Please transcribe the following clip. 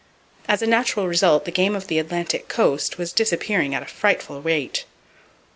As a natural result the game of the Atlantic coast was disappearing at a frightful rate.